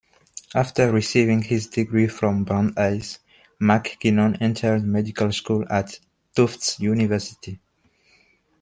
After receiving his degree from Brandeis, MacKinnon entered medical school at Tufts University.